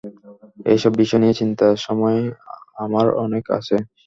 এসব বিষয় নিয়ে চিন্তা সময় আমার অনেক আছে।